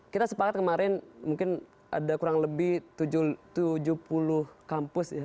kita sepakat kemarin mungkin ada kurang lebih tujuh puluh kampus ya